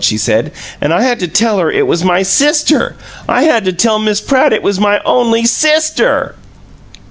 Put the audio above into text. she said, and I had to tell her it was my sister. I had to tell Miss PRATT it was my only SISTER!"